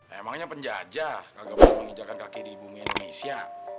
emangnya penjajah gak gampang menginjakkan kaki di bumi indonesia